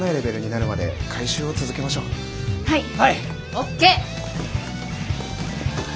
ＯＫ！